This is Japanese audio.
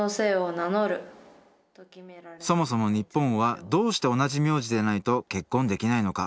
そもそも日本はどうして同じ名字でないと結婚できないのか？